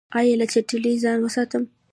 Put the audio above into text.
ایا له چټلۍ ځان وساتم؟